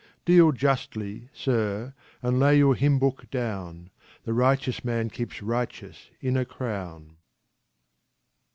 Deal justly, Sir, and lay your hymn book down, The righteous man keeps righteous in a crown.